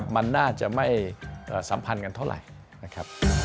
มันน่าจะไม่สัมพันธ์กันเท่าไหร่นะครับ